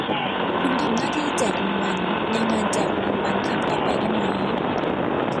คุณทำหน้าที่แจกรางวัลในงานแจกรางวัลครั้งต่อไปได้มั้ย